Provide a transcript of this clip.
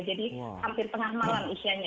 jadi hampir tengah malam isyanya